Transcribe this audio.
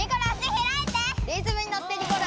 リズムにのってニコル！